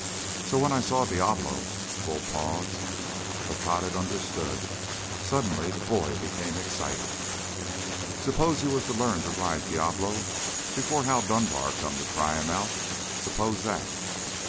"So when I saw Diablo " Bull paused. But Tod had understood. Suddenly the boy became excited. "Suppose you was to learn to ride Diablo before Hal Dunbar come to try him out? Suppose that?"